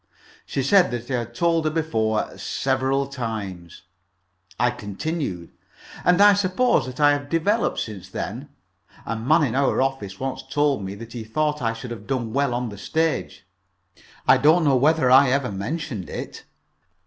She said that I had told her before several times. I continued: "And I suppose that I have developed since then. A man in our office once told me that he thought I should have done well on the stage. I don't know whether I ever mentioned it."